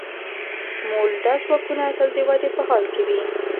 مؤلده ځواکونه تل د ودې په حال کې وي.